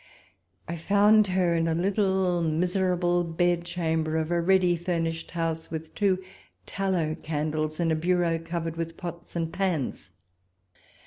I found her in a little miserable bedchamber of a ready furnished house, with two tallow candles, and a bureau covered with pots and pans.